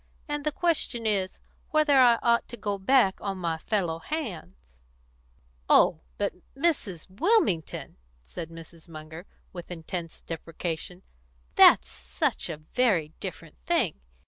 And the question is, whether I ought to go back on my fellow hands." "Oh, but Mrs. Wilmington!" said Mrs. Munger, with intense deprecation, "that's such a very different thing.